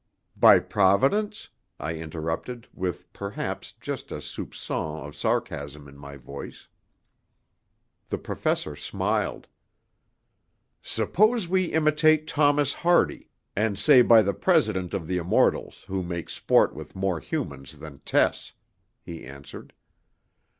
"By Providence?" I interrupted, with, perhaps, just a soupçon of sarcasm in my voice. The Professor smiled. "Suppose we imitate Thomas Hardy, and say by the President of the Immortals, who makes sport with more humans than Tess," he answered.